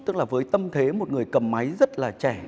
tức là với tâm thế một người cầm máy rất là trẻ